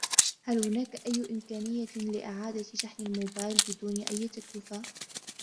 هل هناك أي إمكانية لإعادة شحن الموبايل بدون أي تكلفة ؟